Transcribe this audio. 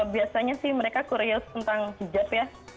biasanya sih mereka korea tentang hijab ya